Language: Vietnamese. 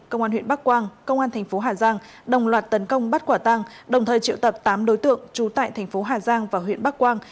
công an huyện bắc quang công an thành phố hà giang đồng loạt tấn công bắt quả tăng đồng thời triệu tập tám đối tượng trú tại thành phố hà giang và huyện bắc quang